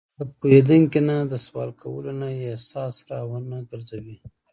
له پوهېدونکي نه د سوال کولو نه یې احساس را ونهګرځوي.